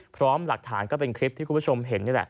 พร้อมหลักฐานก็เป็นคลิปที่คุณผู้ชมเห็นนี่แหละ